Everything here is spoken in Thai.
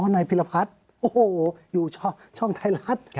นายพิรพัฒน์โอ้โหอยู่ช่องไทยรัฐ